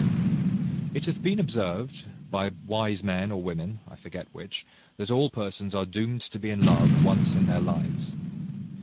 It hath been observed, by wise men or women, I forget which, that all persons are doomed to be in love once in their lives.